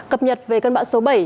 cập nhật về cân bã số bảy